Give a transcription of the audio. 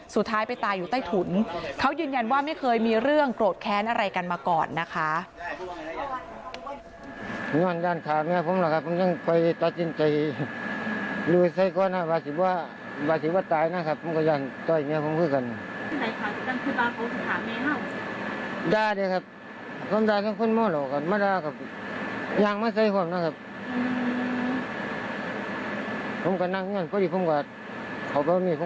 สุดท้ายไปตายอยู่ใต้ถุนเขายืนยันว่าไม่เคยมีเรื่องโกรธแค้นอะไรกันมาก่อนนะคะ